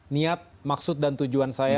niat maksud dan tujuan saya